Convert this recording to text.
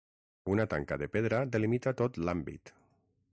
Una tanca de pedra delimita tot l'àmbit.